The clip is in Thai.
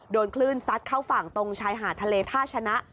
โดนคลื่นซัดเข้าฝั่งตรงชายหาดทะเลท่าชนะ